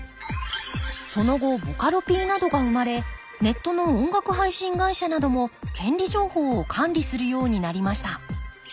その後ボカロＰなどが生まれネットの音楽配信会社なども権利情報を管理するようになりました。